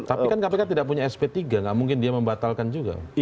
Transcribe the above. tapi kan kpk tidak punya sp tiga nggak mungkin dia membatalkan juga